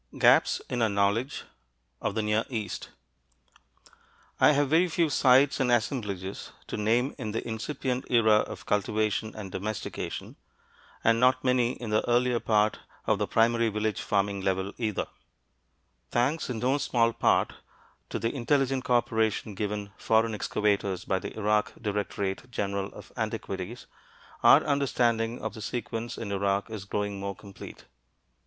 GAPS IN OUR KNOWLEDGE OF THE NEAR EAST If you'll look again at the chart (p. 111) you'll see that I have very few sites and assemblages to name in the incipient era of cultivation and domestication, and not many in the earlier part of the primary village farming level either. Thanks in no small part to the intelligent co operation given foreign excavators by the Iraq Directorate General of Antiquities, our understanding of the sequence in Iraq is growing more complete.